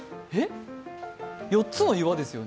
４つの岩ですよね。